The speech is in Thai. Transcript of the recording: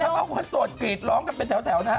บางคนโสดกรีดร้องกันเป็นแถวนะฮะ